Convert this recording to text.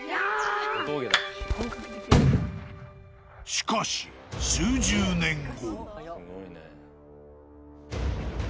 しかし、数十年後。